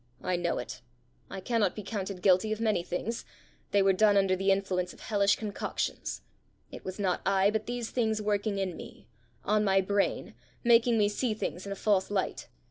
"I know it: I cannot be counted guilty of many things; they were done under the influence of hellish concoctions. It was not I, but these things working in me on my brain, making me see things in a false light!